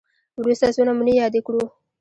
وروسته څو نمونې یادې کړو